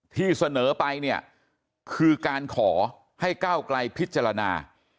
ที่เสนอไปเนี่ยคือการขอให้ก้าวไกลพิจารณา